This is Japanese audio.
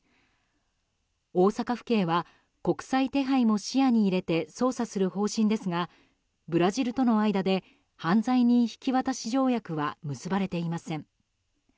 大阪府警は国際手配も視野に入れて捜査する方針ですがブラジルとの間で犯罪人引渡し条約は結ばれていません。